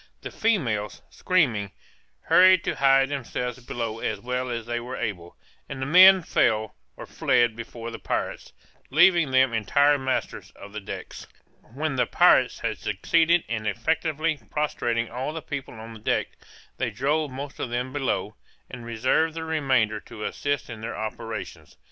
The females, screaming, hurried to hide themselves below as well as they were able, and the men fell or fled before the pirates, leaving them entire masters of the decks. [Illustration: The mate begging for his life.] When the pirates had succeeded in effectually prostrating all the people on deck, they drove most of them below, and reserved the remainder to assist in their operations.